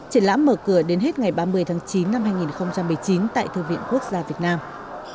triển lãm mở cửa đến hết ngày ba mươi tháng chín năm hai nghìn một mươi chín tại thư viện quốc gia việt nam